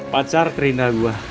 pacar terindah gue